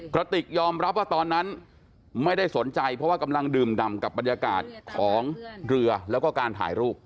กระติกยอมรับว่าตอนนั้นไม่ได้สนใจเพราะว่ากำลังดื่มดำกับบรรยากาศของเรือแล้วก็การถ่ายรูป